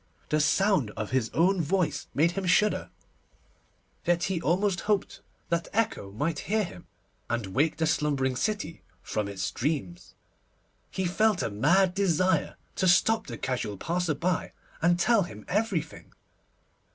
The sound of his own voice made him shudder, yet he almost hoped that Echo might hear him, and wake the slumbering city from its dreams. He felt a mad desire to stop the casual passer by, and tell him everything.